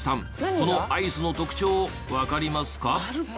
このアイスの特徴わかりますか？